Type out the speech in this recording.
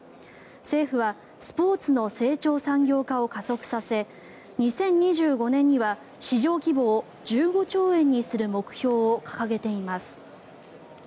政府はスポーツの成長産業化を加速させ２０２５年には市場規模を１５兆円にする目標を掲げています。